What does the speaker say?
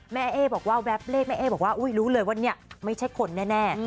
เอ๊บอกว่าแวบเลขแม่เอ๊บอกว่ารู้เลยว่าเนี่ยไม่ใช่คนแน่